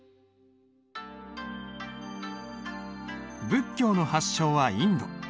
仏教の発祥はインド。